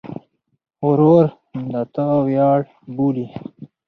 ورور د تا ویاړ بولې.